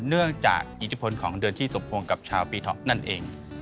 เนื่องจากอิทธิพลของเดือนที่สมพงษ์กับชาวปีเถาะนั่นเอง